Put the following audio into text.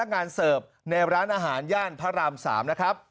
งานเสิร์ฟในร้านอาหารย่านพระราม๓นะครับ